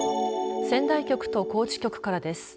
仙台局と高知局からです。